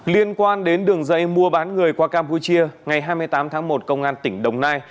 liên quan đến đường dây mua bán người qua campuchia ngày hai mươi tám tháng một công an tỉnh đồng nai